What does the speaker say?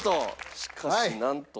しかしなんと。